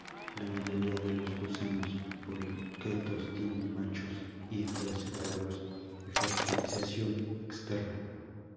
La mayoría de los gusanos poliquetos tienen machos y hembras separados y fertilización externa.